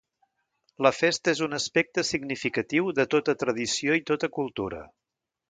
La festa és un aspecte significatiu de tota tradició i tota cultura.